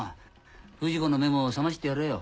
不二子の目も覚ましてやれよ。